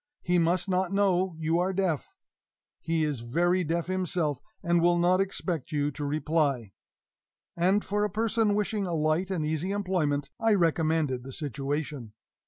He must not know you are deaf. He is very deaf himself, and will not expect you to reply." And, for a person wishing a light and easy employment, I recommended the situation.